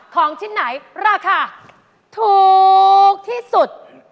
ของชิ้นไหนราคาถูกที่สุด